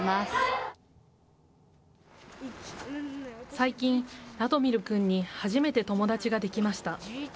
最近、ラドミル君に初めて友達ができました。